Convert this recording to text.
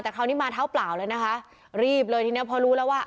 แต่คราวนี้มาเท้าเปล่าเลยนะคะรีบเลยทีเนี้ยพอรู้แล้วว่า